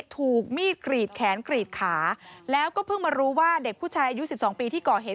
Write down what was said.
ถูกมีดกรีดแขนกรีดขาแล้วก็เพิ่งมารู้ว่าเด็กผู้ชายอายุ๑๒ปีที่ก่อเหตุ